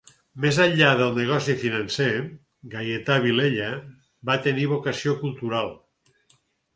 Més enllà del negoci financer, Gaietà Vilella va tenir vocació cultural.